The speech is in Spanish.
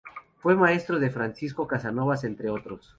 Fue maestro de Francisco Casanovas entre otros.